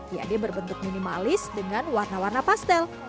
yakni berbentuk minimalis dengan warna warna pastel